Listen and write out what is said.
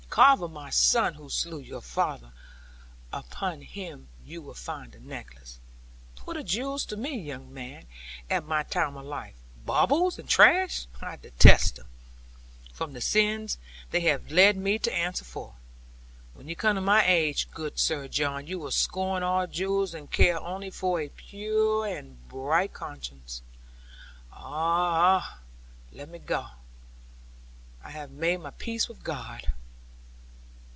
Carver, my son, who slew your father, upon him you will find the necklace. What are jewels to me, young man, at my time of life? Baubles and trash, I detest them, from the sins they have led me to answer for. When you come to my age, good Sir John, you will scorn all jewels, and care only for a pure and bright conscience. Ah! ah! Let me go. I have made my peace with God.'